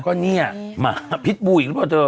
ก็เนี่ยหมาพิษบูอีกหรือเปล่าเธอ